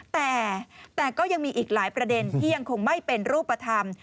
แต่ก็ยังมีอีกหลายประเด็นที่ยังคงไม่เป็นรูปธรรม